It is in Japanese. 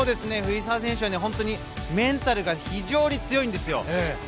藤澤選手は本当にメンタルが非常に強いんですよ。